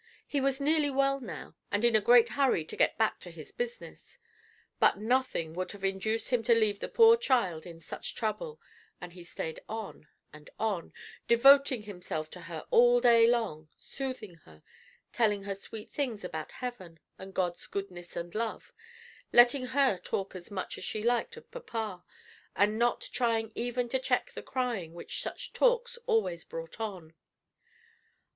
He was nearly well now, and in a great hurry to get back to his business; but nothing would have induced him to leave the poor child in such trouble, and he stayed on and on, devoting himself to her all day long, soothing her, telling her sweet things about heaven and God's goodness and love, letting her talk as much as she liked of papa, and not trying even to check the crying which such talks always brought on.